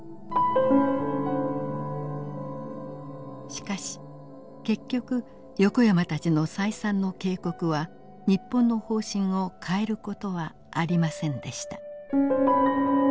しかし結局横山たちの再三の警告は日本の方針を変える事はありませんでした。